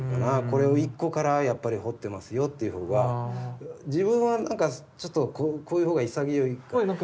これを一個からやっぱり彫ってますよっていう方が自分はなんかちょっとこういう方が潔いから。